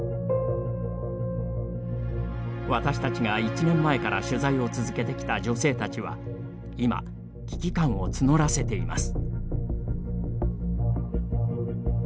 私たちが１年前から取材を続けてきた女性たちは今危機感を募らせています。